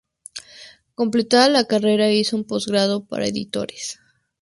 Completada la carrera, hizo un postgrado para editores.